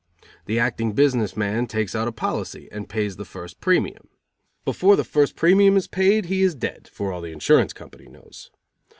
The acting business man takes out a policy, and pays the first premium. Before the first premium is paid he is dead, for all the insurance company knows.